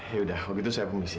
yaudah kalau gitu saya permisi